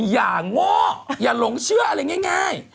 อย่างโง่อย่าหลงเชื่ออะไรง่าย